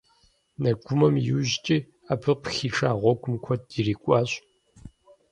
Нэгумэм иужькӀи абы пхиша гъуэгум куэд ирикӀуащ.